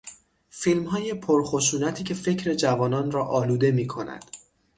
فیلمهای پرخشونتی که فکر جوانان را آلوده میکند